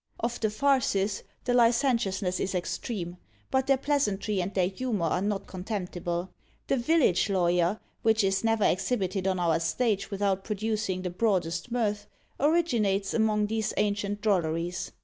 Of the FARCES the licentiousness is extreme, but their pleasantry and their humour are not contemptible. The "Village Lawyer," which is never exhibited on our stage without producing the broadest mirth, originates among these ancient drolleries.